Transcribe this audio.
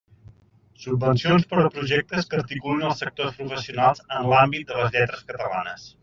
Subvencions per a projectes que articulin els sectors professionals en l'àmbit de les lletres catalanes.